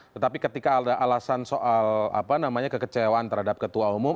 tetapi ketika ada alasan soal apa namanya kekecewaan terhadap ketua umum